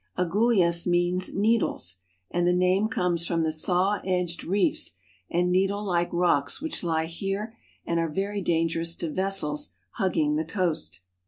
Agulhas means "needles," and the name comes ^H from the saw edged reefs and needlelike rocks which lie ^H here and are very dangerous to vessels hugging the coast.